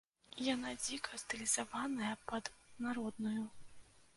Яна дзіка стылізаваная пад народную.